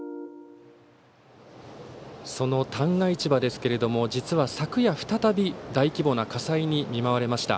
その旦過市場ですが実は昨夜、再び大規模な火災に見舞われました。